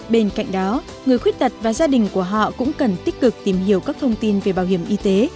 bên cạnh đó người khuyết tật và gia đình của họ cũng cần tích cực tìm hiểu các thông tin về bảo hiểm y tế